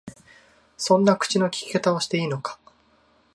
そんな口の利き方していいのか？